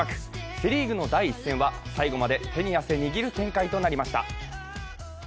セ・リーグの第１戦は最後まで手に汗握る展開となりました。